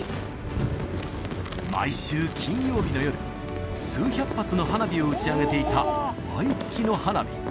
毎週金曜日の夜数百発の花火を打ち上げていたワイキキの花火